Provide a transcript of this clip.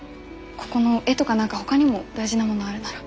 ここの絵とか何かほかにも大事なものあるなら。